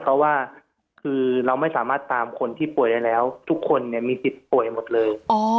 เพราะว่าคือเราไม่สามารถตามคนที่ป่วยได้แล้วทุกคนมีสิทธิ์ป่วยหมดเลย